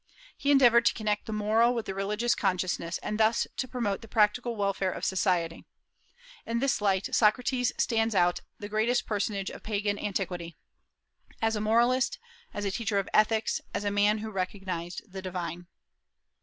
He endeavored to connect the moral with the religious consciousness, and thus to promote the practical welfare of society. In this light Socrates stands out the grandest personage of Pagan antiquity, as a moralist, as a teacher of ethics, as a man who recognized the Divine.